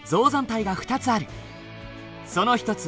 その一つ